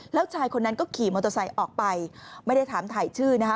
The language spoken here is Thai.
แล้วชายคนนั้นก็ขี่มอเตอร์ไซค์ออกไปไม่ได้ถามถ่ายชื่อนะคะ